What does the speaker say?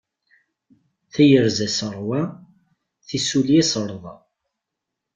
Tayerza s ṛṛwa, tissulya s ṛṛḍa.